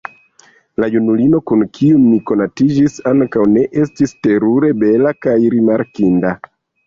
La junulino kun kiu mi konatiĝis, ankaŭ ne estis terure bela kaj rimarkinda.